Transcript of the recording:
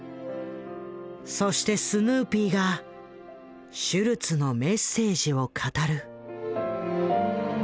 そしてスヌーピーがシュルツのメッセージを語る。